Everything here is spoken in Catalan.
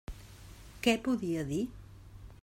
Què podia dir?